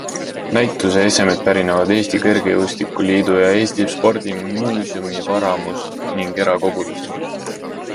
Näituse esemed pärinevad Eesti Kergejõustikuliidu ja Eesti Spordimuuseumi varamust ning erakogudest.